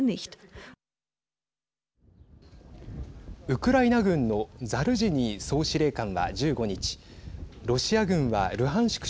ウクライナ軍のザルジニー総司令官は１５日ロシア軍はルハンシク